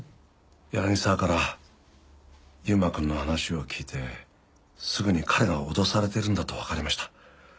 柳沢から悠馬くんの話を聞いてすぐに彼が脅されてるんだとわかりました。